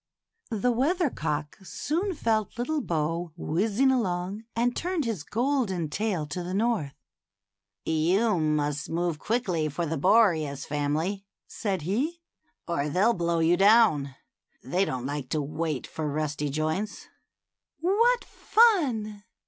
The weather cock soon felt little Bo whizzing along, and turned his golden tail to the north. " You must move quickly for the Boreas family," said he, " or they'll blow you down. They don't like to wait for rusty joints." "What fun!"